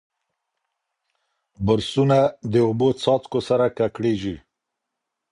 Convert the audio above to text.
برسونه د اوبو څاڅکو سره ککړېږي.